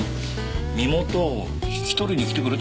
身元を引き取りに来てくれたんでしょ？